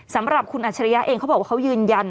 สำหรับคุณอัจฉริยะเองเขาบอกว่าเขายืนยัน